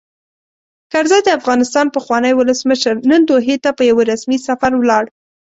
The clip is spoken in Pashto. کرزی؛ د افغانستان پخوانی ولسمشر، نن دوحې ته په یوه رسمي سفر ولاړ.